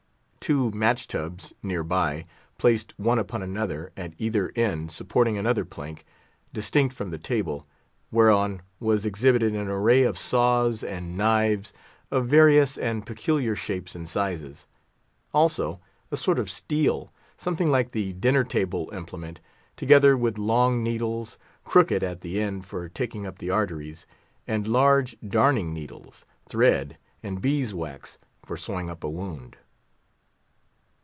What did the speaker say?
Two match tubs, near by, placed one upon another, at either end supported another plank, distinct from the table, whereon was exhibited an array of saws and knives of various and peculiar shapes and sizes; also, a sort of steel, something like the dinner table implement, together with long needles, crooked at the end for taking up the arteries, and large darning needles, thread and bee's wax, for sewing up a wound.